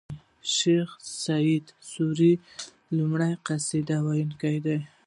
شېخ اسعد سوري لومړی قصيده و يونکی دﺉ.